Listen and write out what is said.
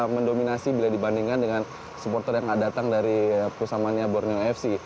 mendominasi bila dibandingkan dengan supporter yang datang dari pusamanya borneo fc